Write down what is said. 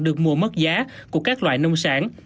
được mua mất giá của các loại nông sản